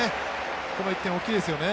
この１点、大きいですよね。